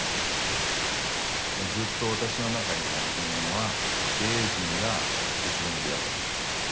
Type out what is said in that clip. もうずっと私の中にある疑念は経営陣が後ろ向きだと。